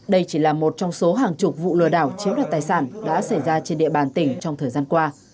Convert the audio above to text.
đây chỉ là một trong số hàng chục vụ lừa đảo chiếm đoạt tài sản đã xảy ra trên địa bàn tỉnh trong thời gian qua